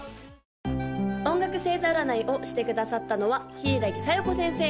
・音楽星座占いをしてくださったのは柊小夜子先生！